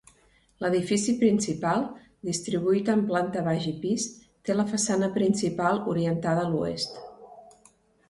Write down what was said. L'edifici principal, distribuït en planta baixa i pis, té la façana principal orientada a l'oest.